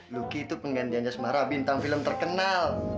lucky itu penggantiannya semara bintang film terkenal